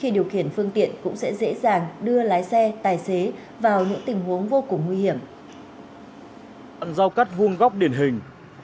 đoạn giao cắt vuông góc điển hình